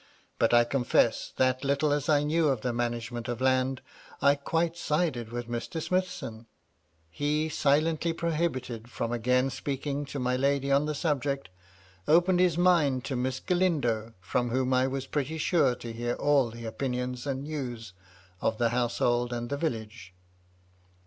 But, I confess, that little as I knew of the management of land, I quite sided with Mr. Smithson. He, silently prohibited from again speaking to my lady on the subject, opened his mind to Miss Galindo, from whom I was pretty sure to hear all the opinions and news of the household and village.